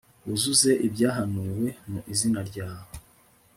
wuzuze ibyahanuwe mu izina ryawe